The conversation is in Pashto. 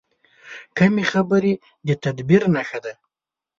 کمې خبرې، د تدبیر نښه ده.